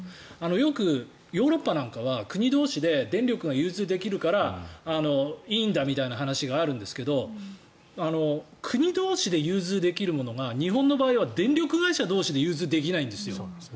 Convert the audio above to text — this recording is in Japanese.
よくヨーロッパなんかは国同士で電力を融通できるからいいんだという話がありましたが国同士で融通できるものが日本の場合は電力会社同士で融通できないんですよ。